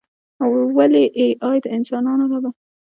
ولې ای ای د انسانانو ربه.